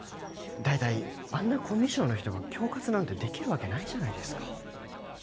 だいたいあんなコミュ障の人が恐喝なんてできるわけないじゃないですか。